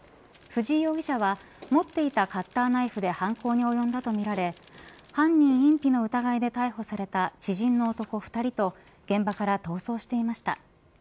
藤井容疑者は持っていたカッターナイフで犯行におよんだとみられ犯人隠避の疑いで逮捕された知人の男２人と現場から逃走していました。